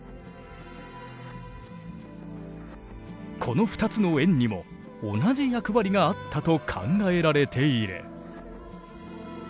この２つの円にも同じ役割があったと考えられている。